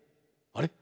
あれ？